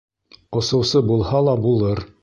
Осоусы булһа ла булыр.